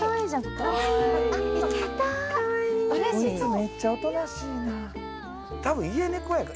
めっちゃおとなしいな。